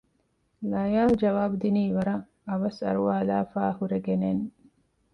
ލަޔާލު ޖަވާބުދިނީވެސް ވަރަށް އަވަސް އަރުވާލާފައި ހުރެގެނެން